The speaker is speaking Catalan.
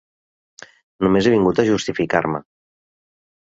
Només he vingut a justificar-me.